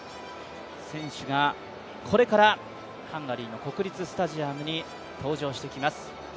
選手がこれからハンガリーの国立スタジアムに登場してきます。